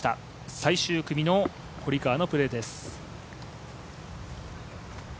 最終組の堀川のプレーです。